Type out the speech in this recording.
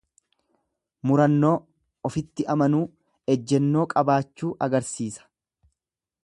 Murannoo, ofitti amanuu, ejennoo qabachuu agarsisa.